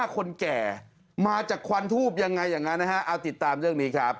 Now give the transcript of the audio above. คนแก่มาจากควันทูบยังไงอย่างนั้นนะฮะเอาติดตามเรื่องนี้ครับ